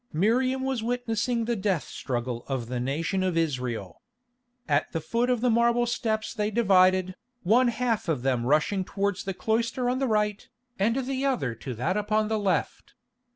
Miriam was witnessing the death struggle of the nation of Israel. At the foot of the marble steps they divided, one half of them rushing towards the cloister on the right, and the other to that upon the left.